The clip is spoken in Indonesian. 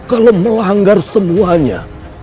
kalau melanggar semuanya